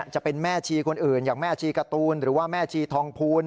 จะเป็นแม่ชีคนอื่นอย่างแม่ชีการ์ตูนหรือว่าแม่ชีทองภูล